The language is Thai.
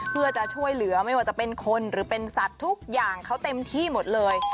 เพื่อจะช่วยเหลือไม่ว่าจะเป็นคนหรือเป็นสัตว์ทุกอย่างเขาเต็มที่หมดเลย